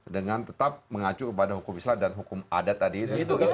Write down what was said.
dengan tetap mengacu kepada hukum islam dan hukum adat tadi itu